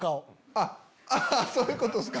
あそういうことっすか！